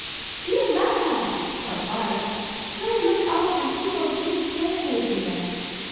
"Dear mamma!" cried Violet, "pray look out and see what a sweet playmate we have!"